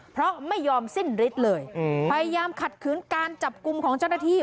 เพราะไม่ยอมสิ้นฤทธิ์เลยพยายามขัดขืนการจับกลุ่มของเจ้าหน้าที่